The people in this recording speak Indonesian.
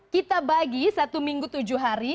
kita bagi satu minggu tujuh hari